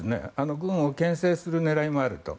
軍をけん制する狙いもあると。